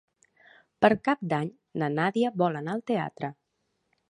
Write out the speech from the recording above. Per Cap d'Any na Nàdia vol anar al teatre.